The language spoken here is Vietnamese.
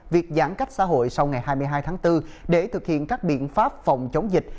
việc giãn cách xã hội sau ngày hai mươi hai tháng bốn để thực hiện các biện pháp phòng chống dịch